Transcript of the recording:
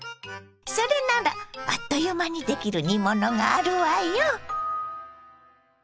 それならあっという間にできる煮物があるわよ。